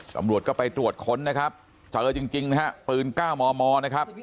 ตำรวจก็ไปตรวจค้นนะครับเจอจริงนะฮะปืน๙มมนะครับ